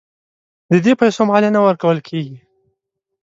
د دې پیسو مالیه نه ورکول کیږي.